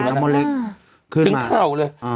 น้ำมะเล็กถึงเข้าเลย